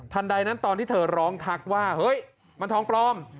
ใดนั้นตอนที่เธอร้องทักว่าเฮ้ยมันทองปลอม